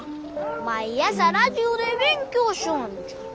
毎朝ラジオで勉強しょうるんじゃ。